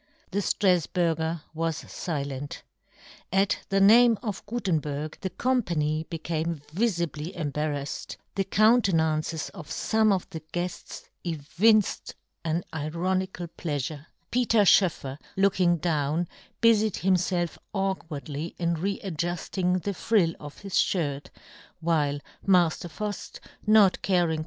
The Straf burger was filent. At the name of Gutenberg the company became vifi bly embarraffed ; the countenances of fome of the guefts evinced an ironical pleafure, Peter Schoeffer, looking down, bufied himfelf awk wardly in readjufting the frill of his fhirt, while Mafter Fuft, not caring yohn Gutenberg.